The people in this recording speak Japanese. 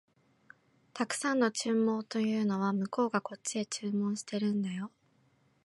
沢山の注文というのは、向こうがこっちへ注文してるんだよ